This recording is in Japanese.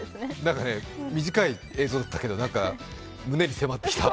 短い映像だったけど、何か胸に迫ってきた。